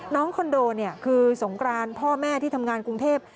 น้องคอนโดคือสงครานพ่อแม่ที่ทำงานกรุงเทพฯ